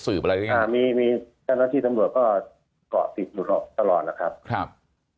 สืบอะไรมีท่านนักที่ตำรวจก็เกาะติดอยู่ตลอดนะครับ